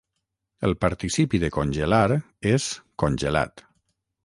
El participi de congelar és congelat.